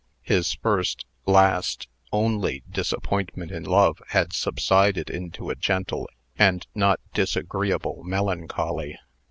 His first, last, only disappointment in love had subsided into a gentle and not disagreeable melancholy.